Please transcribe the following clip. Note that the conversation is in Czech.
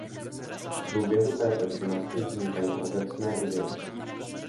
V průběhu této činnosti vznikají obecné ideje.